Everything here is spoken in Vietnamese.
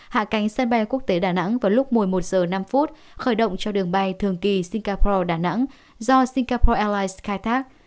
hạ cánh sân bay quốc tế đà nẵng vào lúc một mươi một h năm khởi động cho đường bay thường kỳ singapore đà nẵng do singapore airlines khai thác